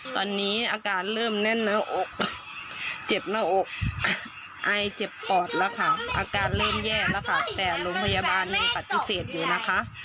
ตอนนี้อาการเริ่มแน่นหน้าอกเจ็บหน้าอกไอเจ็บปอดแล้วค่ะอาการเริ่มแย่แล้วค่ะแต่โรงพยาบาลยังปฏิเสธอยู่นะคะ